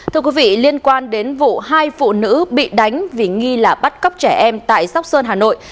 thưa quý vị liên quan đến vụ hai phụ nữ bị đánh vì nghi là bắt cóc trẻ em tại sóc sơn hà nội